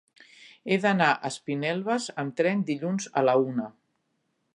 He d'anar a Espinelves amb tren dilluns a la una.